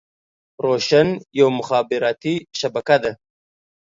روشن يوه مخابراتي شبکه ده.